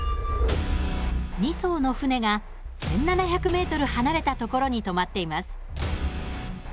２そうの船が１，７００ｍ離れた所にとまっています。